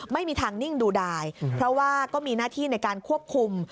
ไม่มีทางนิ่งดูดายเพราะว่าก็มีหน้าที่ในการควบคุม